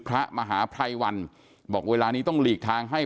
พระมหาภัยวันบอกเวลานี้ต้องหลีกทางให้